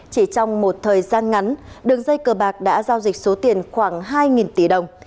chỉ trong một thời gian ngắn đường dây cờ bạc đã giao dịch số tiền khoảng hai tỷ đồng